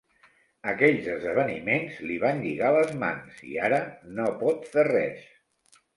Aquells esdeveniments li van lligar les mans i ara no pot fer res.